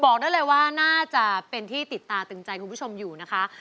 บอกได้เลยว่าน่าจะเป็นที่ติดตาตึงใจคุณผู้ชมอยู่นะคะ